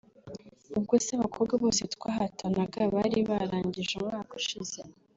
Ubwose abakobwa bose twahatanaga bari barangije umwaka ushize